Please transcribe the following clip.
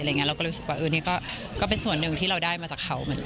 เราก็รู้สึกว่านี่ก็เป็นส่วนหนึ่งที่เราได้มาจากเขา